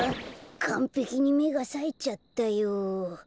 かんぺきにめがさえちゃったよ。